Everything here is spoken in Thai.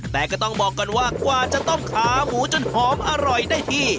แต่ก็ต้องบอกก่อนว่ากว่าจะต้มขาหมูจนหอมอร่อยได้ที่